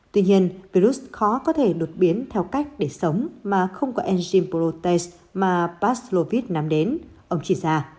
tuy nhiên virus khó có thể đột biến theo cách để sống mà không có enzyme protease mà pazlovit nắm đến ông chỉ ra